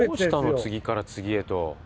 次から次へと。